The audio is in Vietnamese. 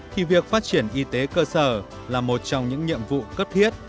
thì việc phát triển y tế cơ sở là một trong những nhiệm vụ cấp thiết